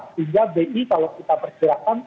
sehingga di kalau kita persirakan